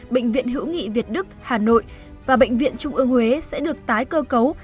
bệnh viện hữu nghị việt đức hà nội và bệnh viện trung ương huế sẽ được tái cơ cấu